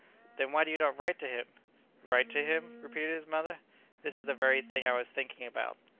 "Then why do you not write to him?" "Write to him?" repeated his mother, "that is the very thing I was thinking about."